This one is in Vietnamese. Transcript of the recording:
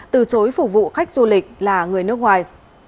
từ chối phục vụ khách du lịch là người nước ngoài